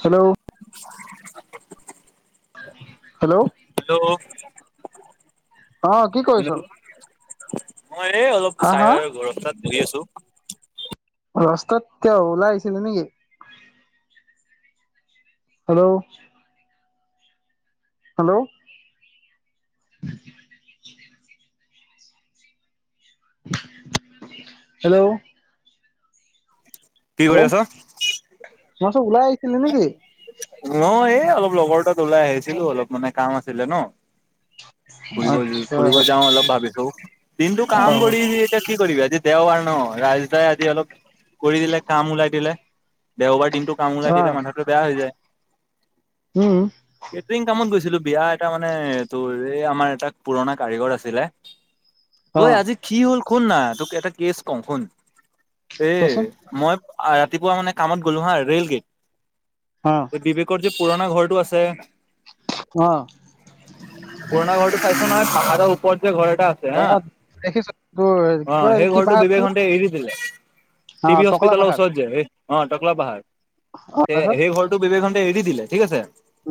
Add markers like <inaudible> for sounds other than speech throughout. Hello hello hello অ কি কৰিছ মই এই অলপ হা চাই হা ঘৰ তাত বহি আছো ৰাস্তাত কিয়া ওলাই আহিছিলি নেকি হেল্ল' হেল্ল' হেল্ল' কি কৰি হেল্ল' আছ? মই কৈছোঁ ওলাই আহিছিলি নেকি ন এই অলপ লগৰ তাত ওলাই আহিছিলো অলপ মানে কাম আছিলে ন ফুৰিব আচ্ছা ফুৰিব যাওঁ অলপ ভাবিচো দিনটো কাম অ কৰি এতিয়া কি কৰিবি আজি দেওবাৰ ন ৰাজ দাই আজি অলপ কৰি দিলে কাম ওলাই দিলে দেওবাৰ দিনটো কাম ওলাই অ মাথাটো বেয়া হৈ যায় উম কেটৰিং কামত গৈছিলো বিয়া এটা মানে তোৰ এই আমাৰ এটা পুৰণা কাৰিকৰ আছিলে ঐ অ আজি কি হ'ল শুন না তোক এটা কেছ কও শুন এ কচোন মই ৰাতিপুৱা মানে কামত গ'লো হা ৰেইল গেট অ বিবেকৰ যে পুৰণা ঘৰটো আছে অ পুৰণা ঘৰটো চাইছ নহয় পাহাৰৰ ওপৰত ঘৰ এটা আছে অ হা দেখিছো তোৰ কি অ কয় সেই কি ঘৰটো পাহাৰ বিবেক আছিলে? হতে এৰি দিলে অ টি বি টকলা হস্পিটেলৰ পাহাৰ ওচৰত যে অ টকলা পাহাৰ অ তে তাৰপিছত সেই ঘৰটো বিবেকহতে এৰি দিলে ঠিক আছে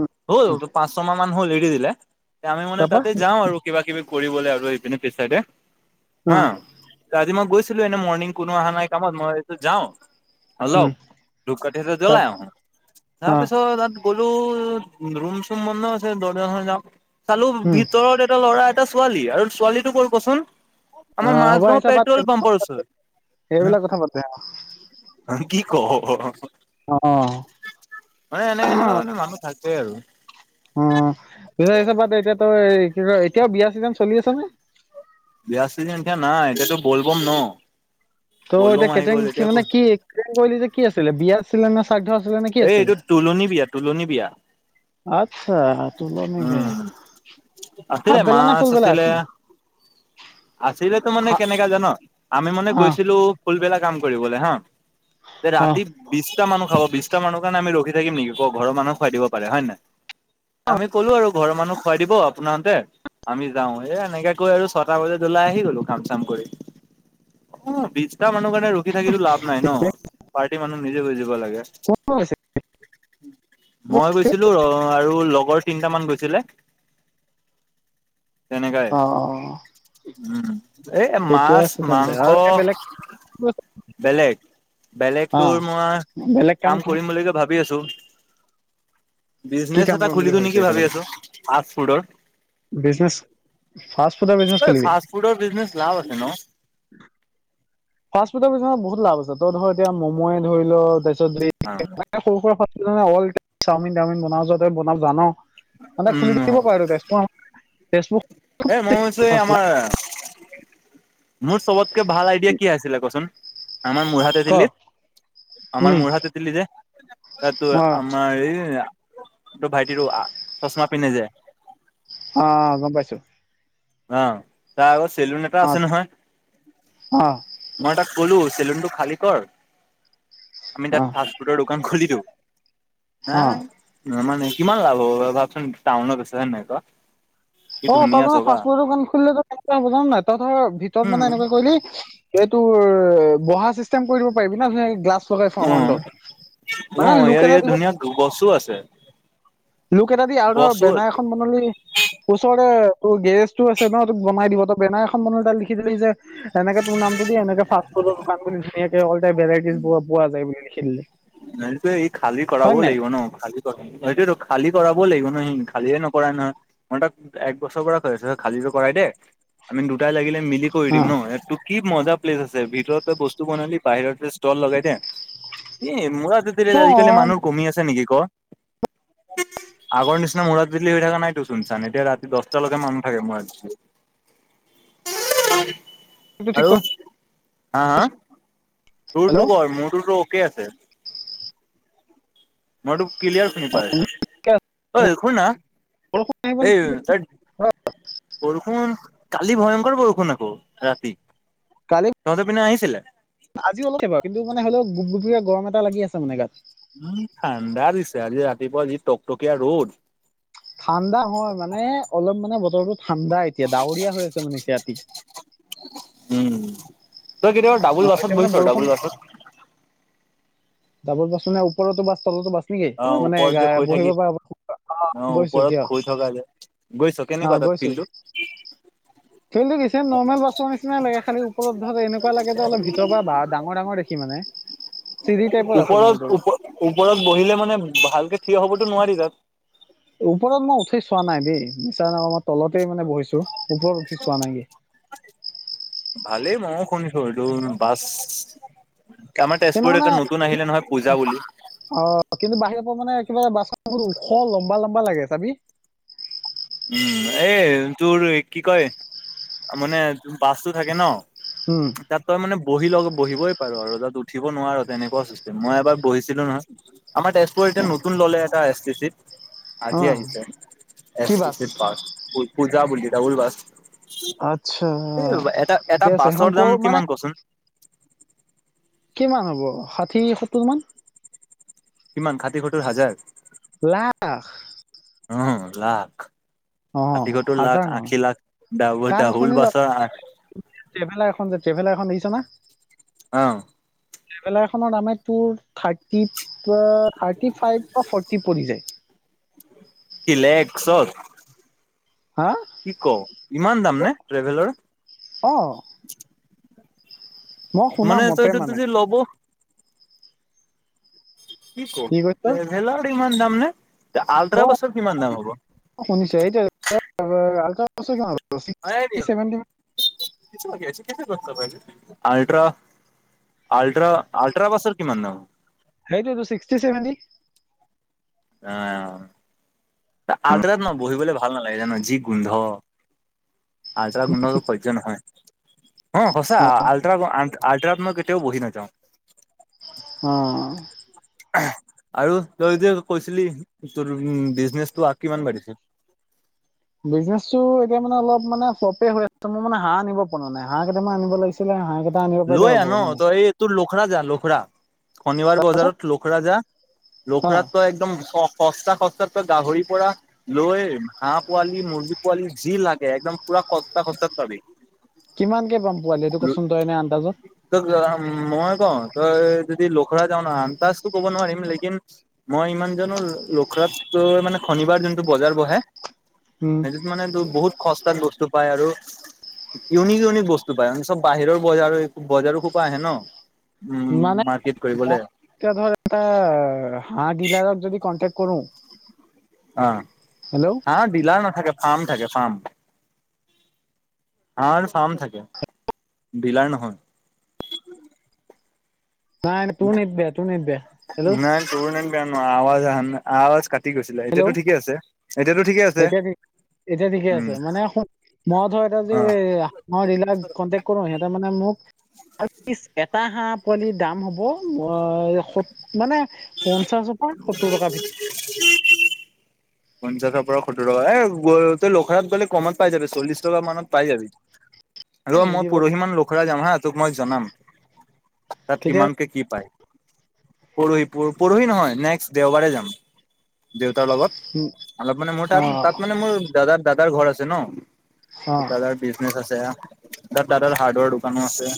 উম হ'ল পাঁচ ছ মাহ মান হল এৰি দিলে আমি মানে তাৰপা তাতে যাওঁ আৰু কিবা কিবি কৰিবলৈ আৰু এইপিনে পিছ চাইদে অ হা আজি মই গৈছিলো এনে মৰ্ণিং কোনো অহা নাই কামত মই ভাবিছো যাও উম অলপ ধূপ কাটি তাৰ জ্বলাই আহো অ তাৰপিছত তাত গলো ৰুম চুম বন্ধ আছে দৰ্জা চৰ্জা যাও চালো উম ভিতৰত এটা ল'ৰা এটা ছোৱালী আৰু ছোৱালীটো কৰ কচোন? অ আমাৰ হ'ব মাজগাঁও এইচব বাদ দে পেট্ৰল পাম্পৰ ওচৰত সেইবিলাক কথা পাতে অ কি ক। মানে এনেকাে এনেকা মানে মানুহ থাকে আৰু। অ‌ সেই চব‌ বাদ দে এতিয়াতো কি ক এতিয়াও বিয়া চিজন চলি আছে নে। বিয়া ছিজন ত এতিয়া নাই এতিয়াতো বলবম ন ত' বলবম এতিয়া আহি কেটন গ'ল এতিয়া মানে কি কে কলি যে কি আছিলে বিয়া আছিলে নে। শ্ৰাদ্ধ আছিলে নে কি এই এইটো আছিলে? তুলনি বিয়া তুলনি বিয়া। আচ্ছা তোলনি বিয়া উম আছিলে মাছ আছিলে। আছিলেতো মানে হা কেনেকা জান আমি মানে অ গৈছিলো। ফুলবেলা কাম কৰিবলৈ হা যে অ ৰাতি বিশটা মানুহ খাব বিশ কাৰণে আমি ৰখি থাকিম নেকি ঘৰ মানুহে খুৱাই দিব পাৰে হয় নাই। আমি কলো আৰু ঘৰৰ মানুহ খুৱাই দিব আপোনহতে আমি যাও এ এনেকে কৈ আৰু ছটা বজাত। ওলাই আহি গলো কাম কৰি অ বিছটা মানুহ কাৰণে - ৰখি থাকি লাভ নাই ন ঠিকে পাৰ্টি মানুহ নিজে বুজিব লাগে। কোন কোন গৈছে? মই গৈছিলো অ আৰু লগৰ তিনটা মান গৈছিলো। চিলখ <unintelligible> অ উম এ ঠিকে মাছ আছে তেন্তে মাংস। আৰু এতিয়া বেলেগ বেলেগ -বেলেগ অ তোৰ মই বেলেগ কাম কি কৰিম বুলি কে ভাবি আছো। কি বিজনেছ কাম এটা কৰিম খুলি বুলি দিম ভাবিছ নেকি ভাবি এতিয়ালৈকে? আছো ফাৰ্ষ্টফুডৰ বিজনেছ ফাৰ্ষ্ট ফুডৰ বিজনেছ এই খুলিবি। ফাষ্ট ফুডৰ বিজনেছ লাভ আছে ন? <inaudible> ফাষ্ট ফুডৰ কিছুমান বহুত লাভ আছে তই ধৰ এতিয়া ম'মো ধৰি ল তাৰপিছত সৰু সুৰা। অল চাওমিন টাওমিন বনাও যাতে বনা জান মানে খুলি দিব উম, পাৰো তে। ফেচবুক এ মই হৈছে আমাৰ মোৰ চবত কে ভাল আইডিয়া কি আছিলে কচোন। আমাৰ ক পঢ়াতে আম উম মৰ হাততিলে কাতো অ আমাৰ টো ভাইটিৰো চচমা পিন্ধে যায়। অ গম পাইছো। অ তাৰ আগত চেলুন এটা অ আছে নহয় অ মই এটা। ব'লো চেলুনটো খালী কৰ আমি অ তাত ফাষ্ট ফুডৰ দোকান খুলি দিওঁ। অ নাই মানে কিমান লাভ হ'ব ভাবচোন টাউনত আছ হয় নাই ক কি অ তই ধুনীয়া মানে চা ফাষ্টফুড দোকান খুলিলে কি হ'ব জান নাই তই ধৰ ভিতৰত মানে উম, এনেকুৱা কৰিলি। এইটোৰ বহা চিষ্টেম কৰি দিব পাৰিবি না গ্লাছ। চ ফ অ', খডত মানে অ', লোক ইয়াৰ এটা ইয়াত দিব। ধুনীয়া গছো আছে লোক এটা দি আৰু ধৰ গছো বেনাই আছে এখন বনালি ওচৰৰে। ত' গেজটো আছে ন তোক বনাই দিব ত বনাৰ এখন বন তাত লিখি দিলি যে। এনেকে তোৰ নামটো দিয় এনে ফা ফুডৰ দোকান বুলি ধুনীয়াকে অলটাইপ ভেইটিজ পোৱা যায় বুলি লিখি দিলে। ন ত এই খালী কৰাবও লাগিব ন খালী। সেইটোয়তো খালী কৰাবই লাগিব নহ সি খালিয়ে নকৰাই নহয় মই তাক এক বছৰ পৰা কৈ আছো খালী। কৰাই দেই আমি দুটাই লাগিলে মিলি কৰি দিম ন তোক। কি মজা প্লেচ আছে ভিতৰত তই বস্তু বনালি বাহিৰতে ষ্টল লগাই দে এ ইমান। <unintelligible> তোৰতেৰে অ আজিকালি মানুহ কমি আছে নেকি ক? আগৰ নিচিনা মৰাত ভিলি হৈ থাকা নাইতো চোন-চান এতিয়া ৰাতি দহটালৈকে মানুহ থাকে মৰাত <inaudible> উ <unintelligible> উম ও আৰু হা হা? তোৰ হেল্ল' তো ক। মোৰটোতো ঠিকেই আছে। মইটো। ক্লিয়াৰ শুনি পাই আছোঁ ঐ শুন না বৰষুণ আহিব এই নেকি বৰষুণ কালি ভয়ংকৰ বৰষুণ আকৌ। ৰাতি তহঁতৰ পিনে আহিছিলে। আজিও অলপ কিনেৰিলেও গুপ গুপীয়া গৰম এটা লাগি আছে মানে গাত উম ঠাণ্ডা দিছে আজি ৰাতিপুৱাজি টক টকীয়া ৰ'দ। <unintelligible> ঠাণ্ডা হয় মানে অলপ মানে বতৰটো <unintelligible> ঠাণ্ডা এতিয়া ডাৱৰীয়া হৈ আছে মানে এতিয়া উম। তই কেতিয়া অ ডাবুল বাছত এতিয়া মানে গৈছো বৰষুণ ডাবুল বাছত ডাবুল বাছ মানে ওপৰতো বাছ তলতো বাছ নেকি অ মানে ওপৰত যে শুই বহিব থাকি পাৰে। অ ওপৰত শুই থকা যে গৈছ কেনেকুৱা তাত কিন্তু <unintelligible> বেছি নৰ্মেল বাছৰ নিচিনাই লাগে খালি উঠিলে এনেকুৱা লাগে যে অলপ ভিতৰ পৰা বা ডাঙৰ-ডাঙৰ দেখি মানে। চিৰি টাইপত <unintelligible> আছে মানে ওপৰত তোৰ ওপ ওপৰত বহিলে মানে ভালকে থিয় হ'বতো নোৱাৰি তাত <unintelligible> ওপৰত মই উঠি চোৱা নাই দেই মিচা নক‌ও মই তলতেই মানে বহিছো। ওপৰত উঠি চোৱা নাই। মইও শুনিছো এইটো বাছ। আমাৰ কিন্তু তেজপুৰত মানে এটা নতুন আহিলে নহয় পূজা বুলি <unintelligible> অ কিন্তু বাহিৰ পৰা মানে। কিবা বাছখন <unintelligible> ওখ লম্বা-লম্বা লাগে চাবি। উম এ তোৰ কি কয় মানে। বাছটো থাকে ন উম তাত তই মানে বহি লগ বহিবই পাৰো আৰু তাত উঠিব নোৱাৰো তেনেকুৱা চিষ্টেম মই এবাৰ বহিছিলো নহয়। আমাৰ তেজপুৰত এতিয়া নতুন ললে এটা এছ টি চিত অ আজি আহিছে এছ কি টি বাছ পূজা বুলি ডাবুল বাছ আচ্ছা এ এটা এটা ঠিকে আছে সেইখন বাছৰ ক দাম মানে কিমান কচোন। কিমান হ'ব ষাঠি সত্তৰ মান কিমান ষাঠি সত্তৰ হাজাৰ লাখ উম লাখ। অ ষাঠি সত্তৰ লাখ হাজাৰ নহয় আশী লাখ ডাহ কাৰণ ডাবুল শুনি ল বাছৰ। ট্ৰেভেলাৰ এখন যে ট্ৰেভেলাৰ এখন দেখিছ না আহ ট্ৰেভেলাৰ এখনৰ দামে টু থাৰ্টি থাৰ্টি ফাইভ বা ফৰ্টি পৰিছে। কি লেকচত হা কি ক ইমান দাম নে ট্ৰেভেলাৰ অ মই শুনা মানে মতে তইটো মানে যদি ল'ব। <unintelligible> কি ক ট্ৰেভেলাৰ ইমান দাম নে? <unintelligible> আল্ট্ৰা অ বাছৰ কিমান দাম হ'ব শুনিছে এতিয়া আলছে। <unintelligible> হয় ন কিছু লাগি আছ কে ক আলট্ৰা আলট্ৰা আলট্ৰা বাছৰ কিমান দাম। সেইটো তো চিক্সটি চেভনেই অঁ। আলট্ৰাত ন বহিবলে ভাল নালাগে জানা যি গোন্ধ আজৰা গোন্ধটো সৈজ নহয়। অ সঁচা আল্ট আল্ট্ৰা মই কেতিয়াও বহি নযাওঁ। অ আৰু তই যদি কৈছিলি তোৰ উম বিজনেচটো কিমান বাঢ়িছে। উ বিজনেছো এতিয়া মানে অলপ মানে সপে হৈ আছে মই মানে হাঁহ আনিব পৰা নাই হাঁহ কেইটামান আনিব লাগিছিলে হাঁহ কেইটা আনিব পাৰিলে লৈ হ'ব আন ন মানে তই এই তোৰোক- লোখৰা যা লোখৰা শনিবাৰ তাৰপাছত বজাৰত লোখৰা যা অ লোখৰা তো একদম- সস্তা সস্তাত ত গাহৰিৰ পৰা লৈ হাঁহ পোৱালি মুৰ্গী পোৱালি যি লাগে একদম পুৰা- সস্তা সস্তা পাবি- কিমান কে পাম পোৱালি সেইটো কচোন তই এনে আন ত মই কম- তই যদি লোখৰা যাও নয় আমন্তাজটো ক'ব নোৱাৰিম লেকিন মই ইমান জানো লখৰাত। ত মানে শনিবাৰ যোনটো বজাৰ বহে উম সেইটোত মানে ত বহুত- সস্তাত বস্তু পায় আৰু ইউনিক ইউনিক বস্তু পায় চব বাহিৰৰ বজাৰ- বজাৰো খোপা আহে। ন উম মানে মাৰ্কেট কৰিবলে ধৰা এটা হাঁহ ডিলাৰক যদি কটে্ কৰোঁ। অ হাঁহ ডিলাৰ নাথাকে ফাৰ্ম থাকে ফাৰ্ম- হাঁহৰ ফাৰ্ম থাকে ডিলাৰ নহয়। নাই নাই তোৰ নেট বেয়া তোৰ নেট বেয়া হেল্ল' নাই তোৰ নে ক ন আৱজ অহা নাছিলে আৱাজ কাটি গৈছিলে হেল্ল' এতিয়াতো ঠিকে আছে এতিয়াতো ঠিকে আছে। এতিয়া ঠিক- এতিয়া ঠিকে আছে উম মানে মই ধৰ অ এতিয়া যদি কন্টেক্ কৰো সিহ- মানে মোক এটা হাঁহ পোৱালিৰ দাম হ'ব স মানে পঞ্চাশৰ পৰা সত্তৰ টকাৰ ভিতৰত- পঞ্চাশৰ পৰা সত্তৰ টকা এ গ তই লখেলাত গ'লে কমত পাই যাবি চল্লিশ টকা মানত পাই যাবি। ৰ এই মই নিদিব পৰহি মান লোখৰা যাম হা তোক মই জনাম তাত তেতিয়া কিমানকে কি পায়। পৰহি প পৰহি নহয় নেক্সট দেওবাৰে যাম দেউতাৰ লগত- অলপ মানে মোৰ অ তাত তাত মানে মোৰ দাদাৰ দাদাৰ ঘৰ আছে। ন অ দাদাৰ বিজনেছ আছে তাত দাদ হাৰ্ডৱেৰ দোকানো আছে।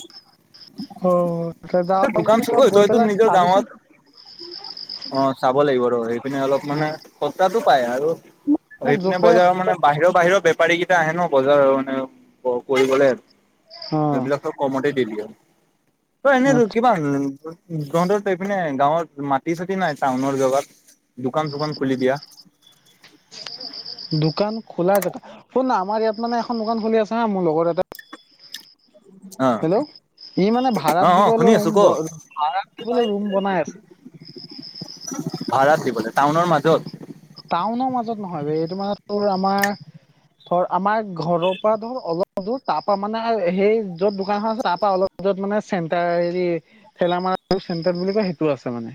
অ তই যাৱওঁ দোকান যদি চুক তই গৈ তইতো পেলাই নিজৰ গাঁৱত চাবিচোন- অ চাব লাগিব সেই পিনে অলপ অ মানে সস্তাটো পাই আৰু মোক সেই‌পিনে জপে বজাৰৰ মানে বাহিৰৰ বাহিৰৰ বেপাৰী কেইটা আহে ন বজাৰৰ মানে কৰিবলে অ এইবিলাক চব কমতে দি দিয়ে। এনে অ ৰ কিমান- তহঁতৰপিনে গাঁৱত মাটি চাটি নাই টাউনৰ জেগাত দোকান চোকান খুলি দিয়া। শুনা আমাৰ ইয়াত মানে এখন দোকান খুলি আছে না মোৰ লগৰ এটাই অ হেল্ল' ই মানে ভাড়াত অ অ শুনি দিবলৈ আছো ৰুম ক বনাই দিবলৈ ৰুম বনাই আছে অ ভাড়াত দিবলৈ টাউনৰ মাজত টাউনৰ মাজত নহয় বে এইটো মানে তোৰ আমাৰ- ধৰ আমাৰ ঘৰৰ পৰা ধৰ অলপোৰ তাৰ পৰা মানে সেই যত দোকান খন আছে তাৰপা অলপ- যত মানে চেণ্টাৰ হেৰি ঠেলামাৰা চেণ্টাৰ বুলি কয় সেইটো আছে মানে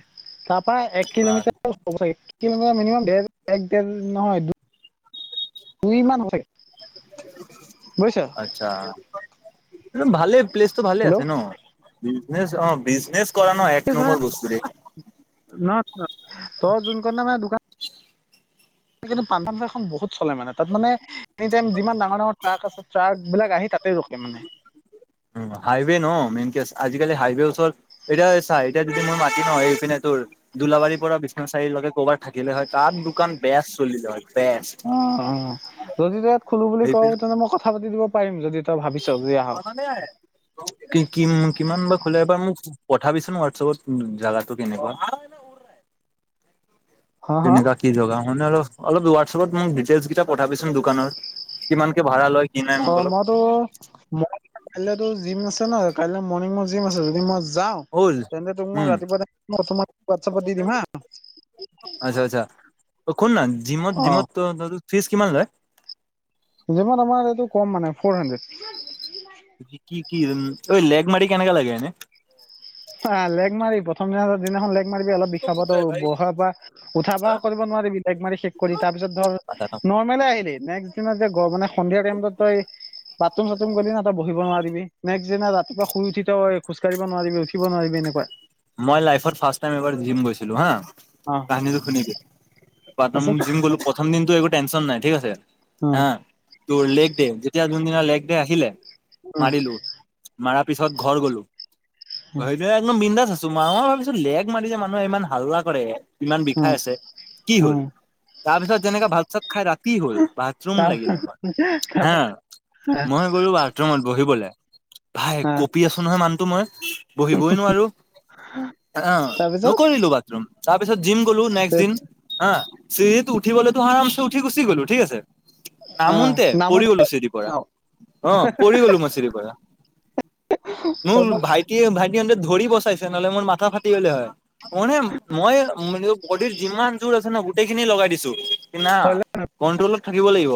তাৰ- প্ৰায় এক কিলোমিটাৰ কিলোমিটাৰ মিনিমামৰ এক দেৰ নহয়। দুই মান- বুজিছ আচ্ছা ম ভালে- পেলেইছটো ভালে আছে। ন অ বিজনেছ কৰা ন এক হেল্ল' নম্বৰ বস্তুৰে- ত জুন কন মানে দোকান কিন্তু পাণ তামোল এখন বহুত চলে মানে তাত মানে এনি টাইম যিমান ডাঙৰ ডাঙৰ ট্ৰাক আছে ট্ৰাক বিলাক আহি। তাতে ৰখে মানে উ হাইৱে ন মেইন আজিকালি হাইৱেৰ ওচৰত এতিয়া চাই এতিয়া যদি মই মাতি ন এইপিনে দোলাবাৰীৰ পৰা বিশ্বনাথ চাৰি আলিৰ লকে ক'বাত থাকিলে হয় তাত দোকান বেয়া চলিলে হয়। বেষ্ট অ অ যদি তই ইয়াত খলো বুলি ক সেইপিনে তেন্ত মই কথা পাতি দিব পাৰিম যদি। তই ভাবিছ যে আহ কি কি কিমান বা ফ এবাৰ মোক পঠাবিছোন হোৱাটছএপত জাগাটো কেনেকুৱা। হা হা কেনেকা কি ৰেখা মানে অলপ অলপ হোৱাটছপত মোক ডিটেইলচ কেইটা পঠাবিচোন দোকানত কিমানকে ভাড়া লয় কি নাই অ মোক অলপ মোৰ তো কাইলেতো জিম আছে ন কাইলৈ মৰ্ণিঙ মত জিম আছে যদি ম যাওঁ হ'ল তেন্তে তোক মই উম ৰাতিপুৱা তোমাক হোৱাটছআপত দি দিম হা আচ্ছা আচ্ছা অ শুন না জিমত অ জিমত ত ফিজ কিমান লয়? জিমত আমাৰ এইটো কম মানে ফৰ হাণ্ড্ৰেড কি কি ঐ লেগ মাৰি কেনেকা লাগে এনে অ লেগ মাৰি প্ৰথম দিনা দিনাখন লে মাৰিবি অলপ বিষাব বহা পৰা উঠা বহা কৰিব নোৱাৰি বিলাইগ মাৰি শেষ কৰি তাৰ পিছত ধৰ নৰ্মল আহিলি নেক্সট দত যে মানে সন্ধিয়া টাইম তই বাথৰুম চাথৰুম গললে না তই বহিব নোৱাৰিবি নেক্সট দিনা ৰাতিপুৱা শুই উঠি ত খজাঢ়িব নোৱাৰিবি শিকিব নোৱাৰিবি এনেকুৱাই মই লাইভত ফাষ্ট টাইম জিম গৈছিলো হা অ কাহিনীটো শুনিবি তাৰপিছত প্ৰথম দিন একো টেনচন নাই ঠিক আছে অ হ তোৰ লেখ দে এতিয়া যোনদিনা লেগ দে আহিলে উম মাৰাৰ পিছত ঘৰ গ'লো উম একদম বিন্দাছ আছো। মা ভাবিছো লেগ মাৰি যে মানুহে ইমান হাল্লা কৰে ইমান বিষাই উম আছে কি হল? উম তাৰপিছত যেনেকাে ভাত চাত খাই ৰাতি হ'ল বাথৰুম তাৰ লাগিলে নহয় হা তাৰপা মই গ'লো বাথৰুমত বহিবলে। ভাই অ কঁপি আছো নহয় মানুহটো মই বহিবই নোৱাৰো। আহ তাৰপিছত নকৰিলো বাথৰুম তাৰপিছত জিম গ'লো নেক্স দিন হা চি উঠিবলৈতো আম চেঠ গুচি গলো ঠিক আছে। অ নামনতে পৰি নামত গলো চিৰি পৰা। অ অ পৰি গলো মই চিৰি পৰা মোৰ তাৰপা ভাইটি ভাইটি সহঁতে ধৰিব নহলে মোৰ মাথা ফাটি গ'লে হয় মানে মই বডিৰ যিমান জোৰ আছে ন গোটেই খিনি লগাই দিছো কি না হলে কণ্ট্ৰলত থাকিব লাগিব।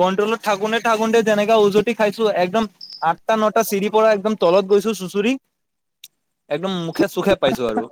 কণ্ট্ৰল ঠাকুতে ঠাকনে যেনেগা উওজুটো খাইছো একদম আঠটা নটা চিৰি পৰা একদম তল ত গৈছো চুচৰি <inaudible> একদম মুখে চুখে পাইছো আৰু।